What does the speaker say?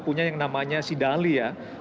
punya yang namanya sidali ya